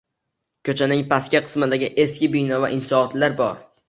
Koʻchaning pastki qismidagi eski bino va inshootlar bor